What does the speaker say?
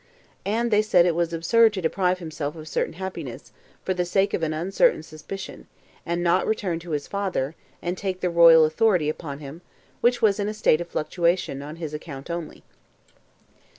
And they said it was absurd to deprive himself of certain happiness, for the sake of an uncertain suspicion, and not rather to return to his father, and take the royal authority upon him, which was in a state of fluctuation on his account only.